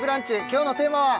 今日のテーマは？